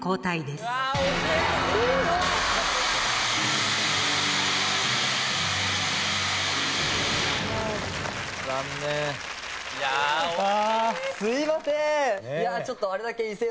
すいません。